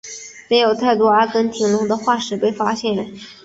没有太多阿根廷龙的化石被发现。